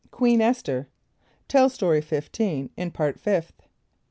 Queen Esther. (Tell Story 15 in Part Fifth.)